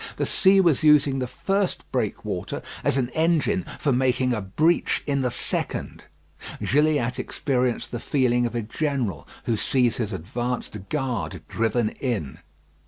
The sea was using the first breakwater as an engine for making a breach in the second. Gilliatt experienced the feeling of a general who sees his advanced guard driven in.